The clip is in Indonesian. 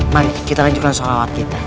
mari kita lanjutkan sholawat kita